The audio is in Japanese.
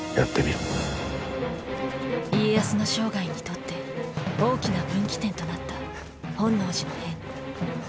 家康の生涯にとって大きな分岐点となった本能寺の変。